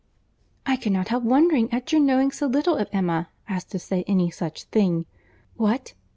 '" "I cannot help wondering at your knowing so little of Emma as to say any such thing. What!